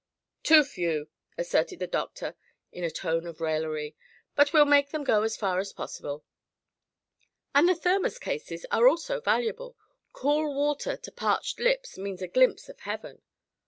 "Too few," asserted the doctor in a tone of raillery, "but we'll make them go as far as possible. And the thermos cases are also valuable. Cool water to parched lips means a glimpse of heaven.